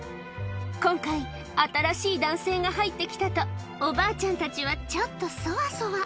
今回、新しい男性が入ってきたと、おばあちゃんたちはちょっとそわそわ。